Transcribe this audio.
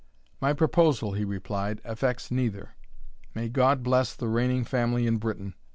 "My proposal," he replied, "affects neither. May God bless the reigning family in Britain!